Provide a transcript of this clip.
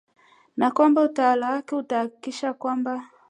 na kwamba utawala wake utahakikisha kwamba